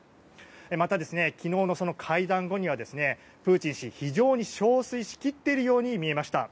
また、昨日の会談後にはプーチン氏、非常に憔悴しきっているように見えました。